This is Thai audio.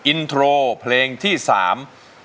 อินโทรเพลงที่สาม